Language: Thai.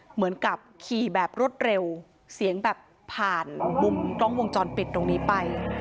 เหมือนกับขี่แบบรถเร็วเสียงแบบผ่านวงจรปิดตรงนี้ไป